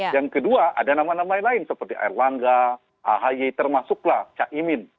yang kedua ada nama nama yang lain seperti erlangga ahi termasuklah cak imin